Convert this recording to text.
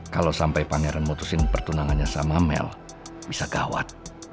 kalau sampai pangeran memutuskan pertunangannya sama mel bisa gawat